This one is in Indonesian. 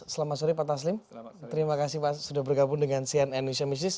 selamat sore pak taslim terima kasih pak sudah bergabung dengan cnn indonesia business